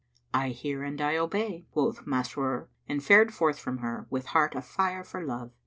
"I hear and I obey," quoth Masrur and fared forth from her, with heart a fire for love.